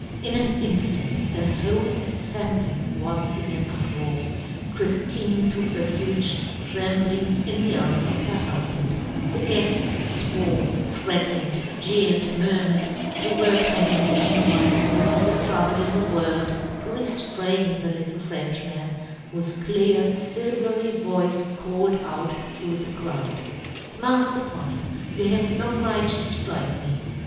In an inftant the whole affembly was in an uproar ; Chriftine took refuge, trembling, in the arms of her hufband ; the guefts fwore, threatened, jeered, murmured ; the workmen in the meanwhile had all the trouble in the world to re ftrain the little Frenchman, whofe clear lilvery voice called out through the crowd, " Mafter Fuft, you have " no right to ftrike me